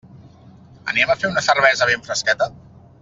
Anem a fer una cervesa ben fresqueta?